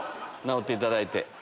直っていただいて。